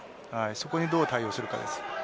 そこにどう対応するかです。